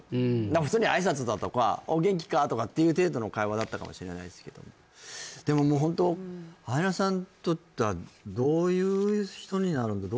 普通に挨拶だとか「元気か？」とかっていう程度の会話だったかもしれないすけどでももうホントどういう人になるんだろう？